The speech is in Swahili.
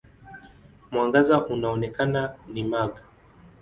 Mwangaza unaoonekana ni mag.